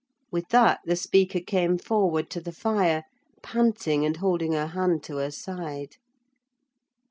With that the speaker came forward to the fire, panting and holding her hand to her side.